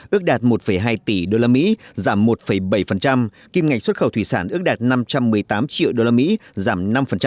ước đạt một hai tỷ usd giảm một bảy kim ngạch xuất khẩu thủy sản ước đạt năm trăm một mươi tám triệu usd giảm năm